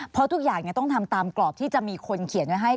เพราะทุกอย่างต้องทำตามกรอบที่จะมีคนเขียนไว้ให้